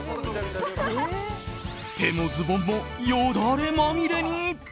手もズボンもよだれまみれに。